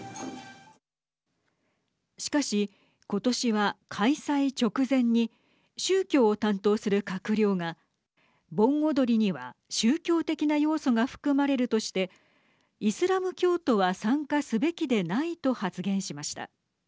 しかし、ことしは開催直前に宗教を担当する閣僚が盆踊りには宗教的な要素が含まれるとしてイスラム教徒は参加すべきでないと発言しました。